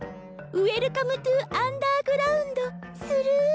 ウエルカムトゥアンダーグラウンドする？